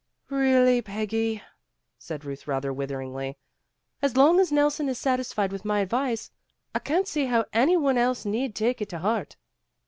"Really, Peggy," said Euth rather wither ingly, "as long as Nelson is satisfied with my advice, I can't see that any one else need take it to heart."